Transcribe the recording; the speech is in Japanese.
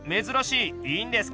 いいんですか？